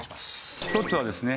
一つはですね